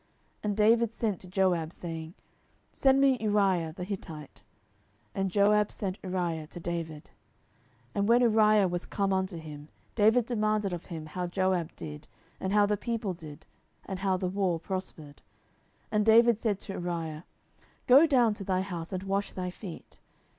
10:011:006 And David sent to Joab, saying, Send me Uriah the Hittite. And Joab sent Uriah to David. 10:011:007 And when Uriah was come unto him, David demanded of him how Joab did, and how the people did, and how the war prospered. 10:011:008 And David said to Uriah, Go down to thy house, and wash thy feet.